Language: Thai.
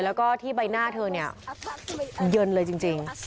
แล้วก็ที่ใบหน้าเธอเนี่ยเย็นเลยจริง